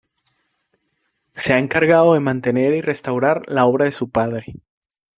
Se ha encargado de mantener y restaurar la obra de su padre.